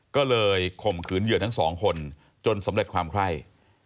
ก็เลยข่มขืนเหยื่อทั้งสองคนจนสำเร็จความไคร่